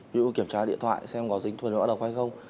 ví dụ kiểm tra điện thoại xem có dính thuyền mã đọc hay không